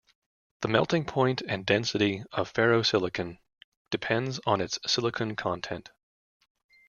The melting point and density of ferrosilicon depends on its silicon content.